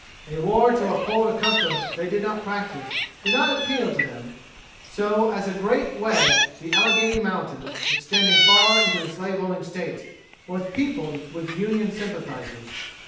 A war to uphold a custom they did not practise did not appeal to them; so as a great wedge the Alleghany mountains, extending far into the slaveholding states, was peopled with Union sympathizers.